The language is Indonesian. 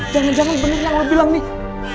jangan jangan bener yang lo bilang nih